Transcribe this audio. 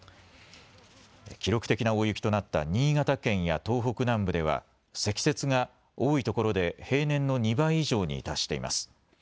記録的な大雪となった新潟県や東北南部では積雪が多いところで平年の２倍以上に達しています。